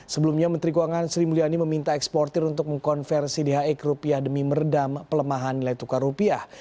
sebelumnya menteri keuangan sri mulyani meminta eksportir untuk mengkonversi dhe ke rupiah demi meredam pelemahan nilai tukar rupiah